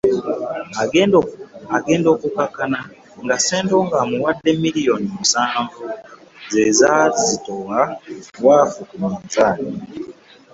Agenda okukkakkana nga Ssentongo amuwadde million musanvu ze zaazitowa waafu ku minzaani.